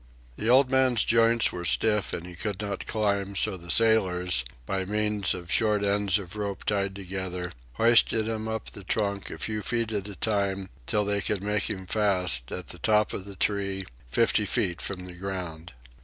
The old man's joints were stiff and he could not climb, so the sailors, by means of short ends of rope tied together, hoisted him up the trunk, a few feet at a time, till they could make him fast, at the top of the tree, fifty feet from the ground.